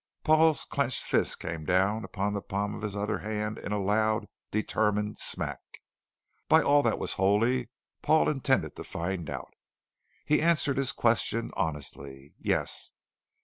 Paul's clenched fist came down upon the palm of his other hand in a loud, determined smack! By all that was holy, Paul intended to find out. He answered his question honestly: Yes.